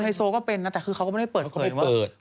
ไซโซก็เป็นนะแต่คือเขาก็ไม่ได้เปิดเปิด